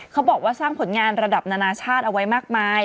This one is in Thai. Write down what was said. เขาบอกว่าสร้างผลงานระดับนานาชาติเอาไว้มากมาย